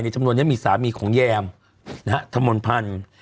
ในจำนวนนั้นมีสามีของแยมทะมนต์พันธุ์